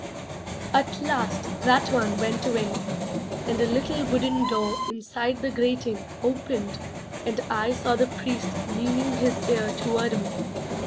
At last that one went away, and a little wooden door inside the grating opened and I saw the Priest leaning his ear toward me.